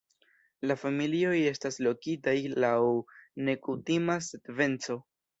La familioj estas lokitaj laŭ nekutima sekvenco.